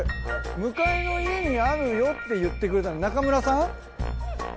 向かいの家にあるよって言ってくれたの中村さん？